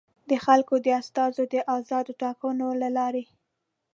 د خلکو د استازیو د ازادو ټاکنو له لارې.